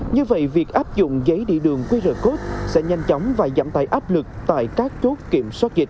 như vậy việc áp dụng giấy đi đường qr code sẽ nhanh chóng và giảm tài áp lực tại các chốt kiểm soát dịch